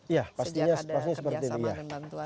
iya pastinya seperti ini